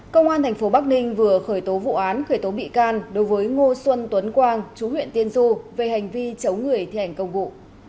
công an tp bắc ninh vừa khởi tố vụ án khởi tố bị can đối với ngô xuân tuấn quang chú huyện tiên du về hành vi chống người thi hành công vụ